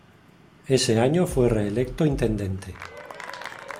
Ese año fue reelecto intendente.